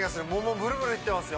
ブルブルいってますよ